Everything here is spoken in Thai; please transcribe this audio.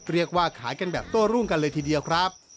เรียกว่าขายกันแบบโต้รุ่งกันเลยทีเดียวครับ